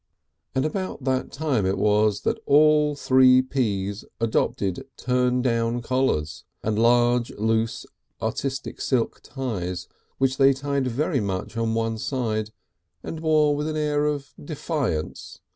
And about that time it was that all Three Ps adopted turn down collars and large, loose, artistic silk ties, which they tied very much on one side and wore with an air of defiance.